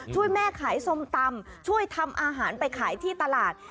ช่วยแม่ขายส้มตำช่วยทำอาหารไปขายที่ตลาด